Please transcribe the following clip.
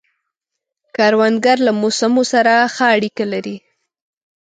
کروندګر له موسمو سره ښه اړیکه لري